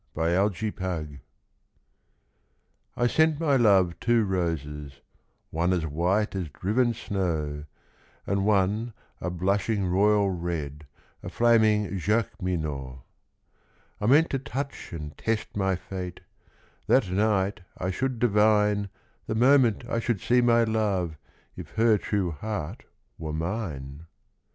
The White Flag I sent my love two roses, one As white as driven snow, And one a blushing royal red, A flaming Jacqueminot. I meant to touch and test my fate; That night I should divine, The moment I should see my love, If her true heart were mine.